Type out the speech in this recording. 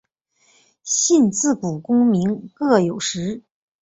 信自古功名各有时。